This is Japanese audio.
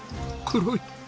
黒い！